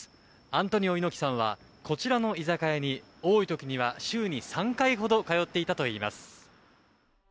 アントニオ猪木さんはこちらの居酒屋に多い時には週に３回ほど通っていたといいます。